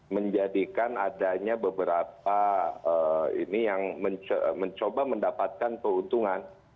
menjadikan adanya beberapa ini yang mencoba mendapatkan keuntungan